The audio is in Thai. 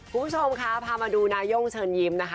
คุณผู้ชมค่ะพามาดูนาย่งเชิญยิ้มนะคะ